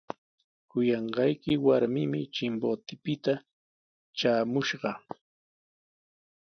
Kuyanqayki warmimi Chimbotepita traamushqa.